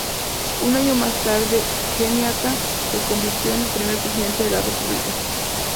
Un año más tarde Kenyatta se convirtió en el primer Presidente de la República.